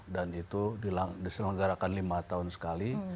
dan itu diselenggarakan lima tahun sekali